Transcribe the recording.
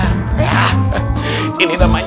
sakitnya tuh dimana